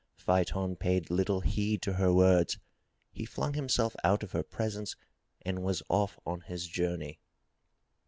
Phaeton paid little heed to her words. He flung himself out of her presence and was off on his journey.